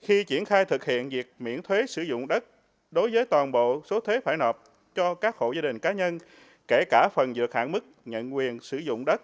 khi triển khai thực hiện việc miễn thuế sử dụng đất đối với toàn bộ số thuế phải nộp cho các hộ gia đình cá nhân kể cả phần dược hạn mức nhận quyền sử dụng đất